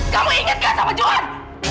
kamu ingatkan sama juhan